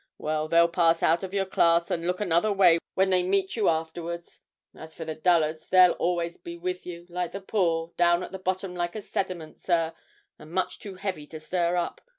Well, they'll pass out of your class and look another way when they meet you afterwards. As for the dullards, they'll be always with you, like the poor, down at the bottom like a sediment, sir, and much too heavy to stir up!